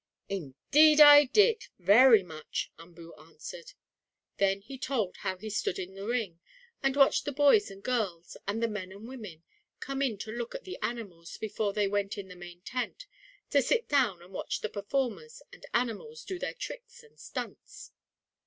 "Indeed I did, very much," Umboo answered. Then he told how he stood in the ring, and watched the boys and girls, and the men and women, come in to look at the animals before they went in the main tent, to sit down and watch the performers and animals do their tricks and "stunts."